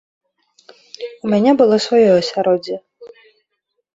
У мяне было сваё асяроддзе.